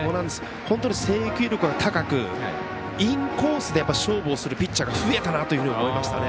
本当に制球力が高くインコースで勝負するピッチャーが増えたなというふうに思いました。